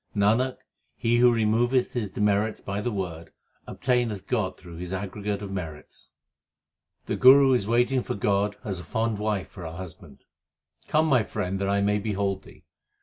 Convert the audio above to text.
Nanak, he who removeth his demerits by the Word, obtaineth God through his aggregate of merits. The Guru is waiting for God as a fond wife for her husband : Come, my Friend, that I may behold Thee.